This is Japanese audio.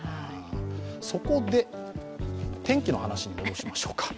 そこで、天気の話に戻しましょうか。